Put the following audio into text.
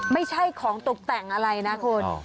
ไม่ใช่ของตกแต่งอะไรนะคุณ